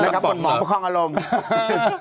ครับบ่นป๋องอารมณ์